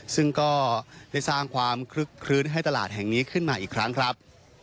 ซึ่งก็ได้สร้างความคลึกคลื้นให้ตลาดแห่งนี้ขึ้นมาอีกครั้งครับ